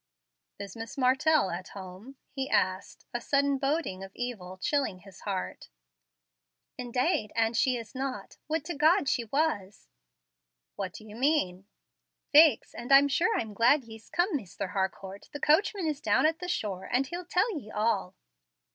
"Is Miss Martell at home?" he asked, a sudden boding of evil chilling his heart. "Indade an' she is not. Would to God she was!" "What do you mean?" "Faix, an' I'm sure I'm glad ye's come, Misther Harcourt. The coachman is down at the shore, and he'll tell ye all."